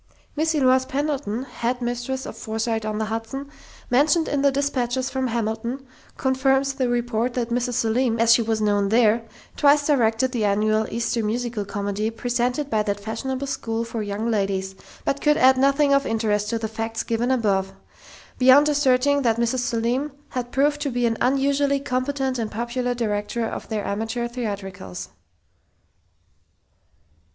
Miss Eloise Pendleton, head mistress of Forsyte on the Hudson, mentioned in the dispatches from Hamilton, confirms the report that Mrs. Selim, as she was known there, twice directed the annual Easter musical comedy presented by that fashionable school for young ladies, but could add nothing of interest to the facts given above, beyond asserting that Mrs. Selim had proved to be an unusually competent and popular director of their amateur theatricals.